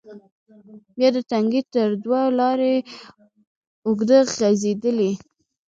بیا د تنگي تر دوه لارې اوږده غزیدلې،